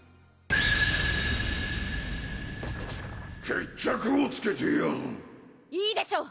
決着をつけてやるいいでしょう！